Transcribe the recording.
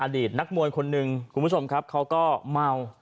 ตนักมวยคนหนึ่งคุณผู้ชมครับเขาก็เมา